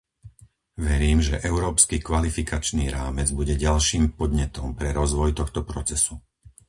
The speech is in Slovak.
Verím, že európsky kvalifikačný rámec bude ďalším podnetom pre rozvoj tohto procesu.